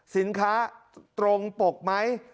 สินค้าตรงปกไหม